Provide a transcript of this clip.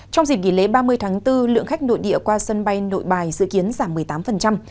trong dịp nghỉ lễ ba mươi tháng bốn lượng khách nội địa qua sân bay nội bài dự kiến giảm một mươi tám